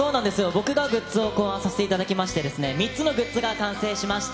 僕がグッズを考案させていただきまして、３つのグッズが完成しました。